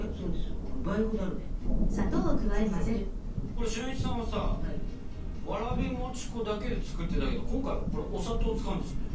これ俊一さんはさわらび餅粉だけで作ってたけど今回はこれお砂糖を使うんですね。